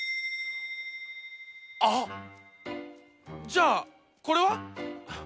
あっじゃあこれは？